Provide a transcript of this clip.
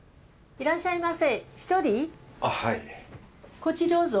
いらっしゃいませ。